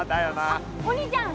あっお兄ちゃん